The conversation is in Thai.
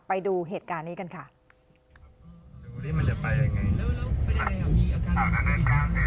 ไปดูเหตุการณ์นี้กันค่ะดูวันนี้มันจะไปยังไง